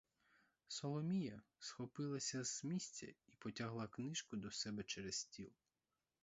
Соломія схопилася з місця і потягла книжку до себе через стіл.